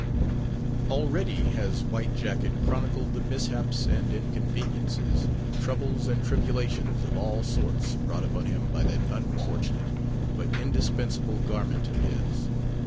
Already has White Jacket chronicled the mishaps and inconveniences, troubles and tribulations of all sorts brought upon him by that unfortunate but indispensable garment of his.